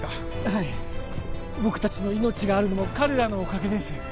はい僕達の命があるのも彼らのおかげです